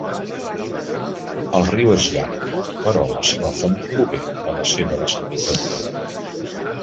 El riu és llarg però la seva font prové de la seva desembocadura.